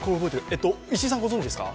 石井さん、ご存じですか？